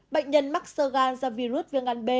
bệnh nhân mắc sơ gan do virus viêm gan b